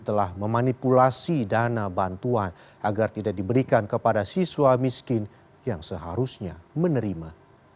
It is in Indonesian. telah memanipulasi dana bantuan agar tidak diberikan kepada siswa miskin yang seharusnya menerima